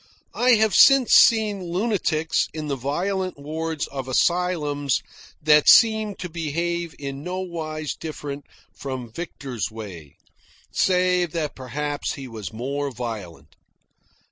I have since seen lunatics in the violent wards of asylums that seemed to behave in no wise different from Victor's way, save that perhaps he was more violent.